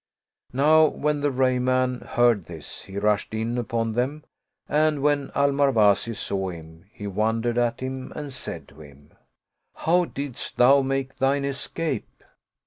Now when the Rayy man heard this, he rushed in upon them, and when Al Marwazi saw him, he wondered at him and said to him, " How didst thou make thine escape